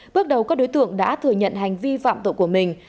bước đầu các đối tượng đã thừa nhận hành vi phạm tội của mình